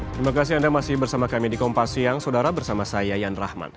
terima kasih anda masih bersama kami di kompas siang saudara bersama saya yan rahman